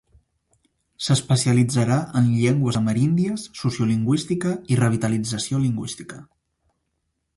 S'especialitzarà en llengües ameríndies, sociolingüística i revitalització lingüística.